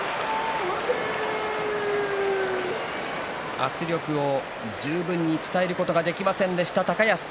圧力を十分に伝えることができませんでした高安。